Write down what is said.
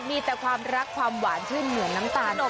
มีแต่ความรักความหวานชื่นเหมือนน้ำตาล